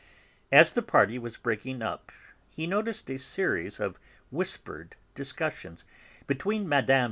As the party was breaking up he noticed a series of whispered discussions between Mme.